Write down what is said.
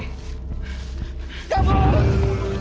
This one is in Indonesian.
nggak pernah marah kayak gini